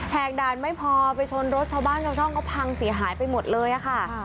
กด่านไม่พอไปชนรถชาวบ้านชาวช่องเขาพังเสียหายไปหมดเลยค่ะ